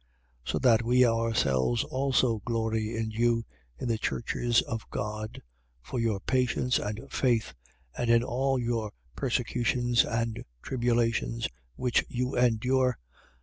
1:4. So that we ourselves also glory in you in the churches of God, for your patience and faith, and in all your persecutions and tribulations: which you endure 1:5.